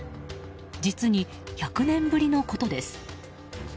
実に１００年ぶりのことです。